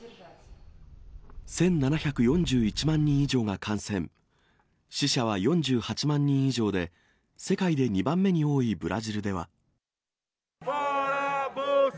１７４１万人以上が感染、死者は４８万人以上で、世界で２番目に多いブラジルでは。